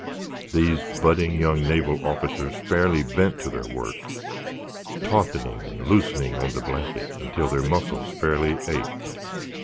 These budding young naval officers fairly bent to their work, tautening and loosening on the blanket until their muscles fairly ached.